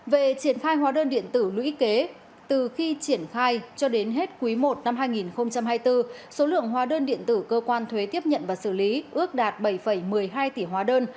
về triển khai hóa đơn điện tử lũy kế từ khi triển khai cho đến hết quý i năm hai nghìn hai mươi bốn số lượng hóa đơn điện tử cơ quan thuế tiếp nhận và xử lý ước đạt bảy một mươi hai tỷ hóa đơn